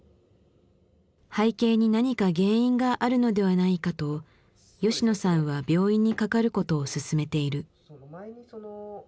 背景に何か原因があるのではないかと吉野さんは病院にかかることを勧めている。